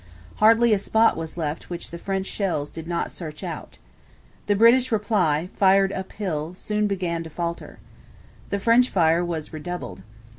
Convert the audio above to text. Hardly a spot was left which the French shells did not search out. The British reply, fired uphill, soon began to falter. The French fire was redoubled.